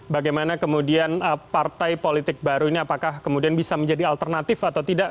bagaimana kemudian partai politik baru ini apakah kemudian bisa menjadi alternatif atau tidak